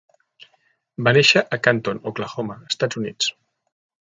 Va néixer a Canton, Oklahoma, Estats Units.